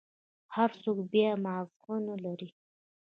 هر سوك بيا مازغه نلري.